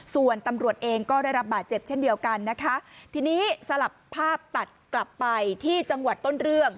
ส่วนตำรวจเองก็ได้รับบาดเจ็บเช่นเดียวกันนะคะทีนี้สลับภาพตัดกลับไปที่จังหวัดต้นเรื่อง